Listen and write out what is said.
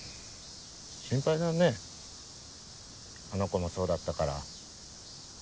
心配だねあの子もそうだったから。